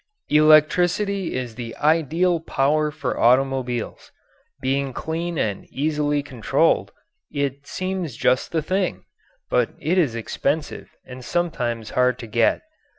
Electricity is the ideal power for automobiles. Being clean and easily controlled, it seems just the thing; but it is expensive, and sometimes hard to get.